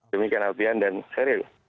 demikian artian dan serius